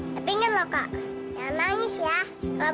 jangan te vincigo